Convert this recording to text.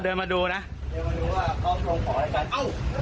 เดินมาดูว่าเขาลงของอะไรกันเอ้า